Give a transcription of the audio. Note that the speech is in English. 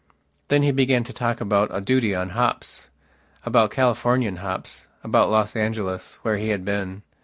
Then he began to talk about a duty on hops, about Californian hops, about Los Angeles, where he had been.